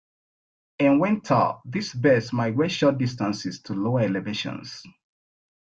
In winter, these birds migrate short distances to lower elevations.